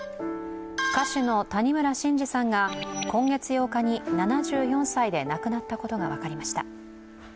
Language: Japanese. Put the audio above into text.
歌手の谷村新司さんが今月８日に７４歳で亡くなったことが分かりました。